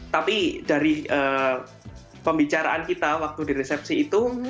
tapi dari pembicaraan kita waktu di resepsi itu